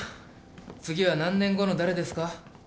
次は何年後の誰ですか？